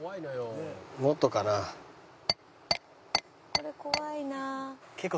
「これ怖いなあ」